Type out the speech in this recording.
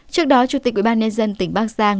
trước đó chủ tịch ubnd tỉnh bắc giang